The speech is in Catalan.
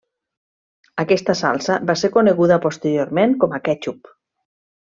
Aquesta salsa va ser coneguda posteriorment com a quètxup.